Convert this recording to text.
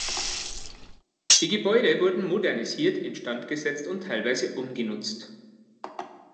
Die Gebäude wurden modernisiert, instand gesetzt und teilweise umgenutzt.